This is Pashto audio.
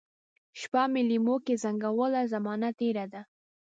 شپه مي لېموکې زنګوله ، زمانه تیره ده